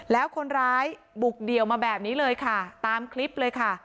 แล้วคนร้ายบุกเดี่ยวมาแบบนี้เลยค่ะตามคลิปเลยค่ะ